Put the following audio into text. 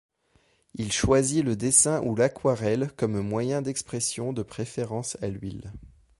Il choisit le dessin ou l’aquarelle comme moyen d’expression de préférence à l’huile.